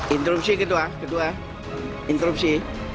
interupsi kedua kedua interupsi